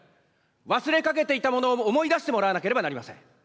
忘れかけていたものを思い出していただかねばなりません。